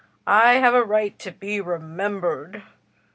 I have a right to be remembered."